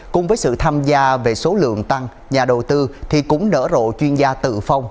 cùng với sự tham gia về số lượng tăng nhà đầu tư thì cũng nở rộ chuyên gia tự phong